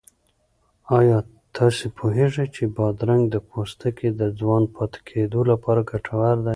آیا تاسو پوهېږئ چې بادرنګ د پوستکي د ځوان پاتې کېدو لپاره ګټور دی؟